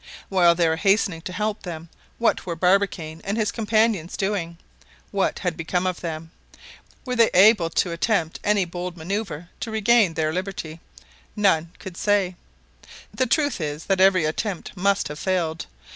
While they were hastening to help them, what were Barbicane and his companions doing? What had become of them? Were they able to attempt any bold maneuver to regain their liberty? None could say. The truth is that every attempt must have failed!